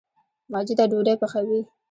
واجده ډوډۍ پخوي